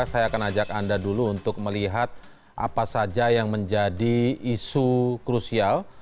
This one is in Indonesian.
saya akan ajak anda dulu untuk melihat apa saja yang menjadi isu krusial